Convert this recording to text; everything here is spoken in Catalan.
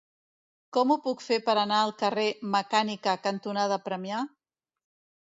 Com ho puc fer per anar al carrer Mecànica cantonada Premià?